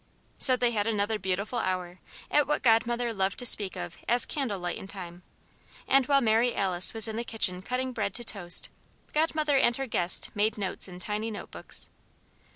So they had another beautiful hour, at what Godmother loved to speak of as "candle lightin' time," and while Mary Alice was in the kitchen cutting bread to toast, Godmother and her guest made notes in tiny note books.